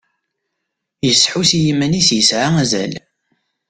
Yesḥus i yiman-is yesɛa azal.